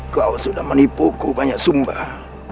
kau sudah menipuku banyak sumbah